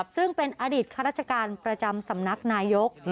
ซึ่งเป็นอดีตข้าราชการประจำสำนักนายก